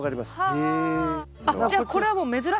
へえ。